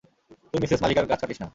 তুই মিসেস মালিকার গাছ কাটিস না।